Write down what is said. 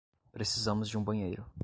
Precisamos de um banheiro.